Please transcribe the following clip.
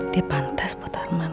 dia pantas buat arman